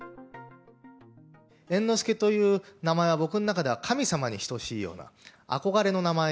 猿之助という名前は、僕の中では神様に等しいような、憧れの名前。